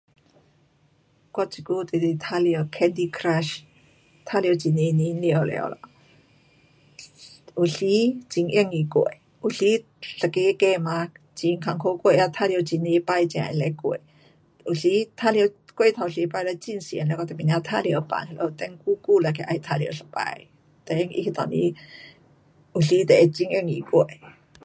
我这久就是玩耍 candy crush. 玩耍很多年了了咯。有时很容易过有时一个 game 啊很困苦过，得玩耍很多次才能够过。有时玩耍过头多次了，很厌了我就不要玩耍放那边等久久了去再玩耍一次。then 它那阵时有时就会会容易过。